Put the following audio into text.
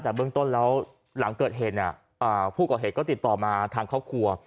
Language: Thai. แต่เบื้องต้นแล้วหลังเกิดเหตุผู้ก่อเหตุก็ติดต่อมาทางครอบครัว